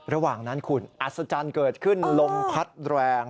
ระหว่างนั้นคุณอัศจรรย์เกิดขึ้นลมพัดแรง